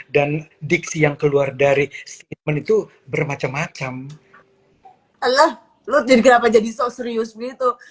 dan diksi yang keluar dari itu bermacam macam alah lu jadi kenapa jadi so serious gitu